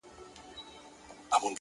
مهرباني د فاصلو واټن کموي,